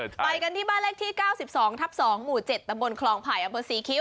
ไปกันที่บ้านแรกที่๙๒ทับ๒หมู่๗ตะบนคลองภายอำเภอสีคิ้ว